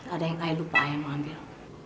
ada yang aku lupa aku mau ambil